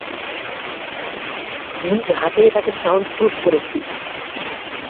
নিজহাতে এটাকে সাউন্ডপ্রুফ করেছি।